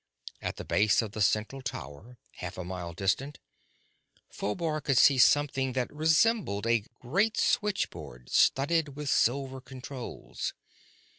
At the base of the central tower half a mile distant Phobar could see something that resembled a great switchboard studded with silver controls.